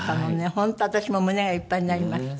本当私も胸がいっぱいになりました。